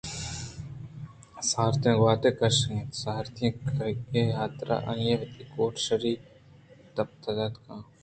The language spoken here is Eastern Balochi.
سارتیں گوٛاتے کشّگ ءَ اَت ءُسارتی ءِ رکّگ ءِ حاترا آئی ءَ وتی کوٹ شرّی ءَ پتاتگ اَت